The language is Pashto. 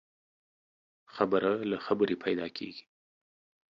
خبره له خبري پيدا کېږي.